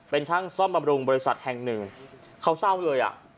เป็นช่างซ่อมบำรุงบริษัทแห่งหนึ่งเขาเศร้าเลยอ่ะ